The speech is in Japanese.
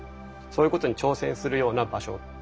そういうことに挑戦するような場所ですね。